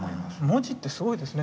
文字ってすごいですね。